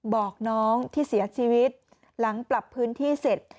บอกน้องที่เสียชีวิตหลังปรับพื้นที่เสร็จ